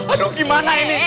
aduh gimana ini